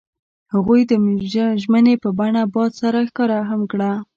هغوی د ژمنې په بڼه باد سره ښکاره هم کړه.